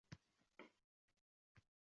– Ha, ziyofat tap-tayyor turibdi